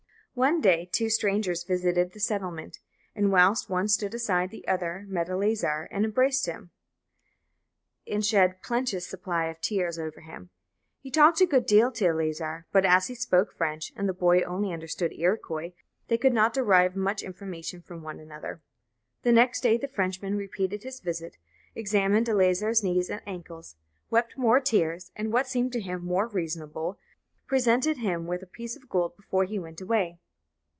One day two strangers visited the settlement, and whilst one stood aside the other met Eleazar, and embraced him, and shed a plenteous supply of tears over him. He talked a good deal to Eleazar, but as he spoke French, and the boy only understood Iroquois, they could not derive much information from one another. The next day the Frenchman repeated his visit, examined Eleazar's knees and ankles, wept more tears, and, what seemed to him more reasonable, presented him with a piece of gold before he went away.